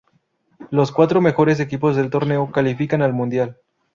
Los cuatro mejores equipos del torneo califican al mundial.